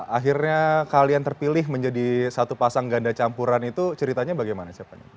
akhirnya kalian terpilih menjadi satu pasang ganda campuran itu ceritanya bagaimana siapanya